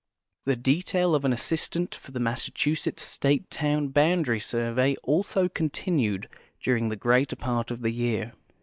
The detail of an assistant for the Massachusetts State town boundary survey also continued during the greater part of the year.